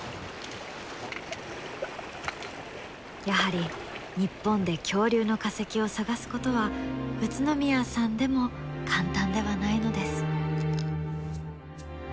やはり日本で恐竜の化石を探すことは宇都宮さんでも簡単ではないのです。